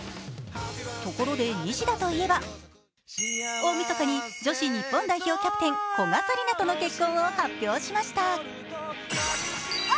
ところで西田といえば、大みそかに女子日本代表キャプテン古賀紗理那との結婚を発表しました。